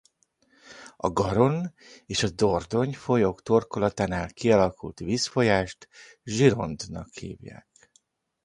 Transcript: A Garonne és a Dordogne folyók torkolatánál kialakult vízfolyást Gironde-nak hívják.